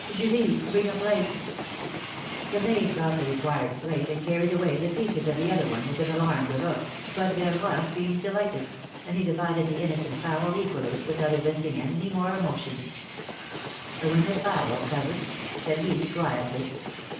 Julie, bring a plate The maid brought the required plate and carried away the pieces of the other one with an alarmed look, but Verroy seemed delighted, and he divided the innocent fowl equally, without evincing any more emotion, wing of fowl, cousin said he, quietly.